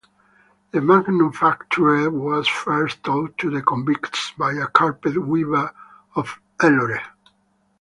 The manufacture was first taught to the convicts by a carpet weaver of Ellore.